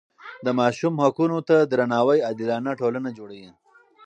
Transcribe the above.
د ماشوم حقونو ته درناوی عادلانه ټولنه جوړوي.